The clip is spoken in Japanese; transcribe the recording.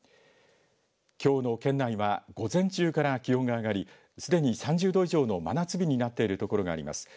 きょうの県内は午前中から気温が上がりすでに３０度以上の真夏日になっている所があります。